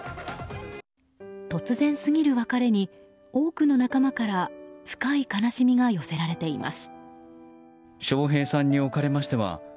突然すぎる別れに多くの仲間から深い悲しみが寄せられています。